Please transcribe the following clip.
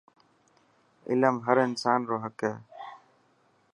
علم هر انسان رو حق هي.